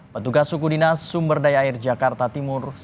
petugas suku dinas sumberdaya air jakarta timur